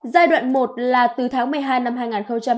giai đoạn một là từ tháng một mươi hai năm hai nghìn hai mươi